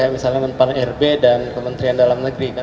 misalnya dengan pan irb dan kementerian dalam negeri